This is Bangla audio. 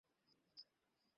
এটা তোমার গায়ে ফিট হবে না।